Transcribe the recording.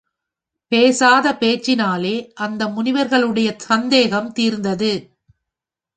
பேசாத பேச்சினாலே அந்த முனிவர்களுடைய சந்தேகம் தீர்ந்தது.